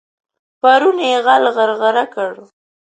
پرون يې غل غرغړه کړ.